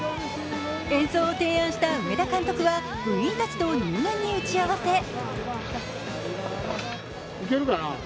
演奏を提案した梅田監督は部員たちと入念に打ち合わせ。